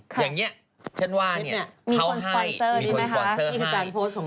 อย่างนี้ฉันว่าเค้าให้มีคนสปอนเซอร์ให้